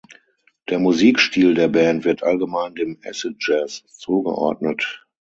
Der Musikstil der Band wird allgemein dem Acid Jazz zugeordnet.